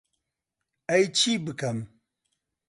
ئەی چی بکەم؟